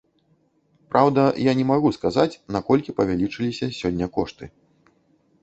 Праўда, я не магу сказаць, наколькі павялічыліся сёння кошты.